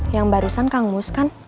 yang barusan kangus kan